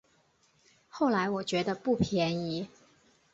后来我觉得不便宜